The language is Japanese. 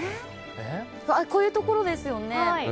こういうところでですよね。